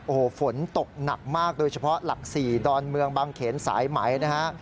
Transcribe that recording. โอ้โหฝนตกหนักมากโดยเฉพาะหลัก๔ดอนเมืองบางเขนสายไหมนะฮะ